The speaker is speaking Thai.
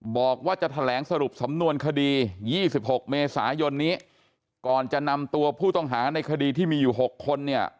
บอกว่าจะแถลงสรุปสำนวนคดี๒๖เมษายนนี้ก่อนจะนำตัวผู้ต้องหาในคดีที่มีอยู่๖คนเนี่ย